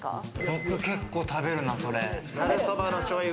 僕、結構食べるな、それ。